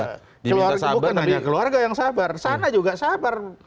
ya ya ya keluarga bukan hanya keluarga yang sabar sana juga sabar